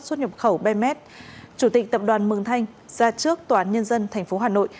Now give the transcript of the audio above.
xuất nhập khẩu bms chủ tịch tập đoàn mường thanh ra trước tòa án nhân dân tp hà nội